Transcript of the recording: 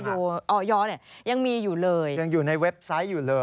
ยอมรับว่าการตรวจสอบเพียงเลขอยไม่สามารถทราบได้ว่าเป็นผลิตภัณฑ์ปลอม